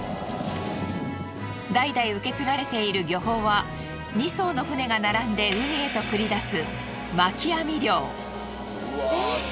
代々受け継がれている漁法は２艘の船が並んで海へと繰り出す。